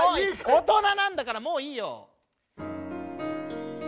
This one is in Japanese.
大人なんだからもういいよ。